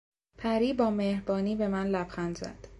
پری با مهربانی به من لبخند زد.